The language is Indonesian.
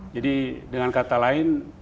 jadi dengan kata lain